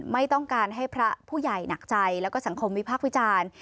ไม่ต้องการให้พระผู้ใหญ่หนักใจแล้วก็สังคมวิพากษ์วิจารณ์